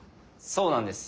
そうなんです